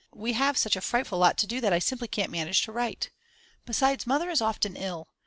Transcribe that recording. We have such a frightful lot to do that I simply can't manage to write. Besides Mother is often ill.